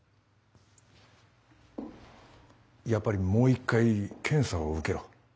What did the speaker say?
やっぱりもう一回検査を受けろ。